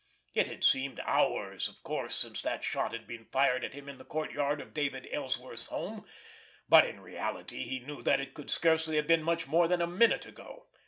It had seemed hours, of course, since that shot had been fired at him in the courtyard of David Ellsworth's home, but in reality he knew that it could scarcely have been much more than a minute ago.